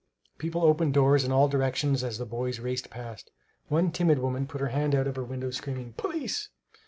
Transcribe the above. People opened doors in all directions as the boys raced past. One timid woman put her head out of her window, screaming, "Police!"